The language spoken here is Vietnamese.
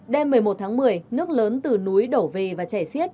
đêm một mươi một tháng một mươi nước lớn từ núi đổ về và chảy xiết